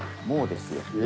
もうですよ。